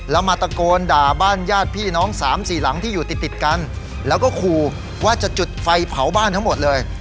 แล้วมาตะโกนด่าบ้านญาติพี่น้องสามสี่หลังที่อยู่ติดติดกันแล้วก็ขู่ว่าจะจุดไฟเผาบ้านทั้งหมดเลย